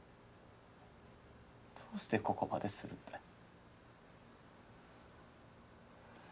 どうしてここまでするんだよ。